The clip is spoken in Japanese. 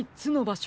しょ